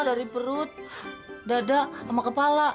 dari perut dada sama kepala